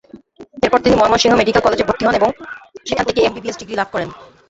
এরপর তিনি ময়মনসিংহ মেডিক্যাল কলেজে ভর্তি হন এবং সেখান থেকে এমবিবিএস ডিগ্রী লাভ করেন।